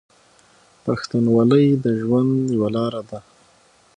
پښتونولي د ژوند یوه لار ده.